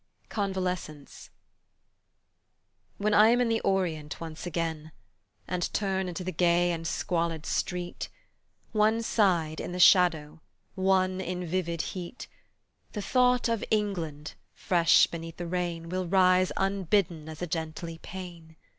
CONVALESCENCE WHEN I am in the Orient once again, And turn into the gay and squalid street, One side in the shadow, one in vivid heat, The thought of England, fresh beneath the rain, Will rise unbidden as a gently pain.